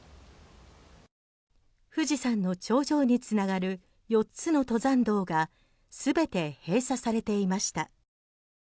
富士山の頂上に繋がる４つの登山道が全て閉鎖されていました。